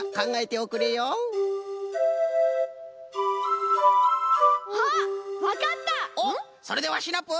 おっそれではシナプー！